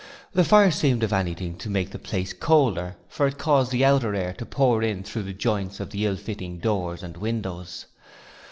The fire seemed, if anything, to make the place colder, for it caused the outer air to pour in through the joints of the ill fitting doors and windows.